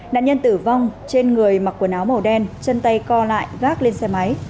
nạn nhân tử vong trên người mặc quần áo màu đen chân tay co lại gác lên xe máy